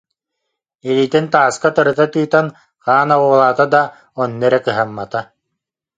Илиитин тааска тырыта тыытан хаан оҕуолаата да, онно эрэ кыһаммата